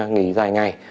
nghỉ dài ngày